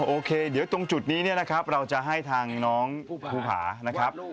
โอเคตรงจุดนี้นะครับเราจะให้ทางน้องภูภานะครับ